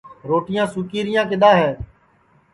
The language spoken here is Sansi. روٹِیاں سُوکی رِیاں کِدؔا ہے